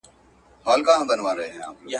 سپوږمۍ ته ختل ډېر ستونزمن کار دی.